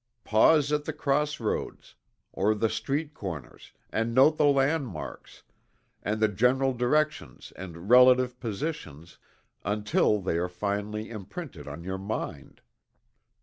Pause at the cross roads, or the street corners and note the landmarks, and the general directions and relative positions, until they are firmly imprinted on your mind.